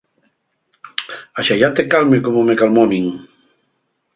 Axallá te calme como me calmó a min.